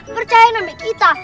percayain nanti kita